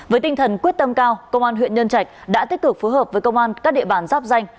với tinh thần quyết tâm cao công an huyện nhân trạch đã tích cực phù hợp với công an các nệ bàn dắp danh